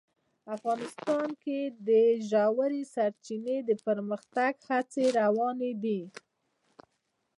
افغانستان کې د ژورې سرچینې د پرمختګ هڅې روانې دي.